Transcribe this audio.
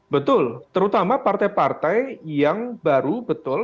betul terutama partai partai yang baru betul